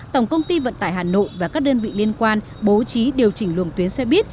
tổng công ty vận tải hà nội và các đơn vị liên quan bố trí điều chỉnh luồng tuyến xe buýt